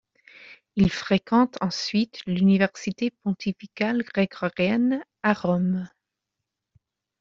Il fréquente ensuite l'Université pontificale grégorienne, à Rome.